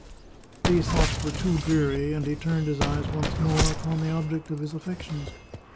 " These thoughts were too dreary, and he turned his eyes once more upon the object of his affections.